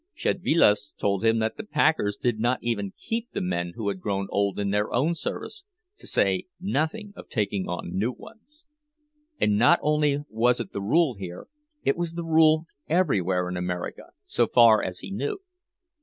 Szedvilas told him that the packers did not even keep the men who had grown old in their own service—to say nothing of taking on new ones. And not only was it the rule here, it was the rule everywhere in America, so far as he knew.